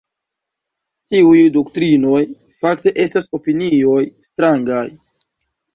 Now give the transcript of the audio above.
Tiuj doktrinoj, fakte, estas opinioj strangaj”.